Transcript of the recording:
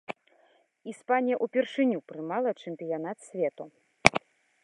Іспанія ўпершыню прымала чэмпіянат свету.